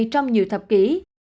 trong nhiều thập kỷ